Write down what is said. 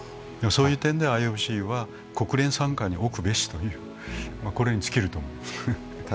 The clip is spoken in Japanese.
そういう点ではＩＯＣは国連傘下に置くべきと、これに尽きると思う。